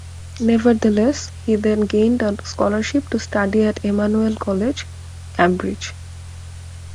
Nevertheless, he then gained a scholarship to study at Emmanuel College, Cambridge.